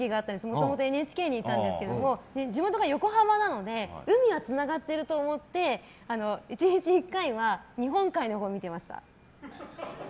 もともとＮＨＫにいたんですけど地元が横浜なので海はつながってると思って１日１回は日本海のほうを見てました。